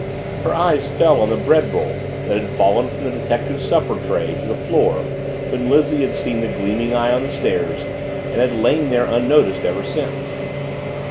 Her eyes fell on the bread roll that had fallen from the detective's supper tray to the floor when Lizzie had seen the gleaming eye on the stairs and had lain there unnoticed ever since.